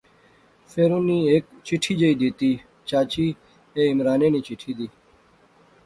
فیر انی ہیک چٹھی جئی دیتی، چاچی ایہہ عمرانے نی چٹھی دی